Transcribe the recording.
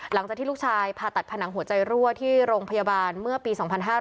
หลังจากที่ลูกชายผ่าตัดผนังหัวใจรั่วที่โรงพยาบาลเมื่อปี๒๕๕๙